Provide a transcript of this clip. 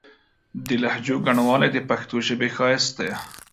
د لهجو ګڼوالی د پښتو ژبې ښايست دی.